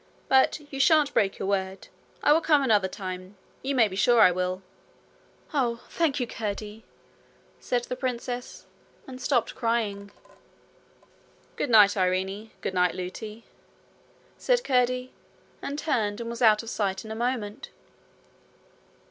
But you shan't break your word. I will come another time. You may be sure I will.' 'Oh, thank you, Curdie!' said the princess, and stopped crying. 'Good night, Irene; good night, Lootie,' said Curdie, and turned and was out of sight in a moment.